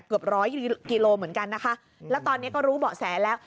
เกือบร้อยกิโลเหมือนกันนะคะแล้วตอนนี้ก็รู้เบาะแสแล้ว